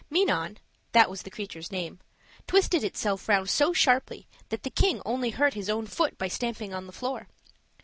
Minon that was the creature's name twisted itself round so sharply that the king only hurt his own foot by stamping on the floor.